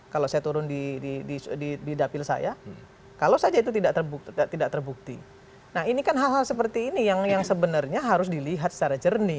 kalau saya turun di dapil saya kalau saja itu tidak terbukti nah ini kan hal hal seperti ini yang sebenarnya harus dilihat secara jernih